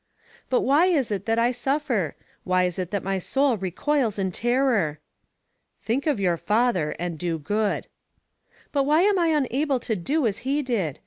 "But why is it that I suffer? Why is it that my soul recoils in terror?" "Think of your father and do good." "But why am I unable to do as he did?